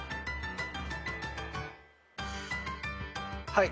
はい。